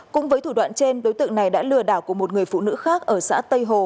cũng với thủ đoạn trên đối tượng này đã lừa đảo của một người phụ nữ khác ở xã tây hồ